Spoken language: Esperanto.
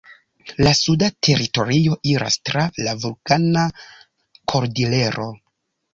La suda teritorio iras tra la Vulkana Kordilero.